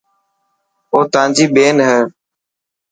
اوتانجي ٻين هي.